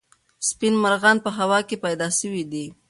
سپین مرغان په هوا کې پیدا سوي دي.